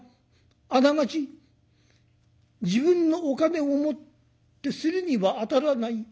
あながち自分のお金を持ってするには当たらない。